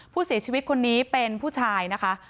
ผู้เสียชีวิตคนนี้เป็นผู้ชายนะคะ